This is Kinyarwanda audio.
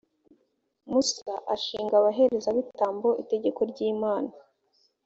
musa ashinga abaherezabitambo itegeko ry’imana